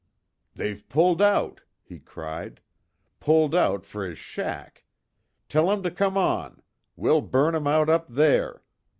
"They've pulled out!" he cried, "Pulled out for his shack! Tell 'em to come on! We'll burn 'em out up there!